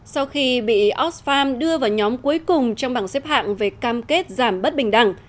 sau khi bị oxfam đưa vào nhóm cuối cùng trong bảng xếp hạng về cam kết giảm bất bình đẳng